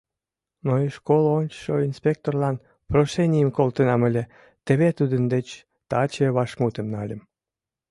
Мый школ ончышо инспекторлан прошенийым колтенам ыле, теве тудын деч таче вашмутым нальым.